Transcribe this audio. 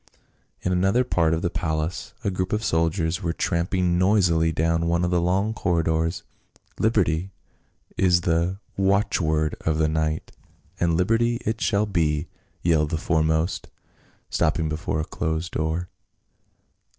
In another part of the palace a group of soldiers were tramping noisily down one of the long corridors. " Liberty is the watchword of the night, and liberty it shall be !" yelled the foremost, stopping before a closed door.